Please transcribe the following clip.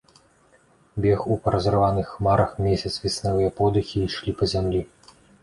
Бег у паразрываных хмарах месяц, веснавыя подыхі ішлі па зямлі.